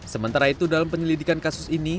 sementara itu dalam penyelidikan kasus ini